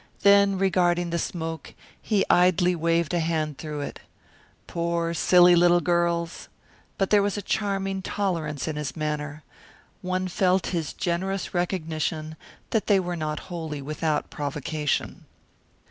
Then, regarding the smoke, he idly waved a hand through it. "Poor, silly little girls!" But there was a charming tolerance in his manner. One felt his generous recognition that they were not wholly without provocation.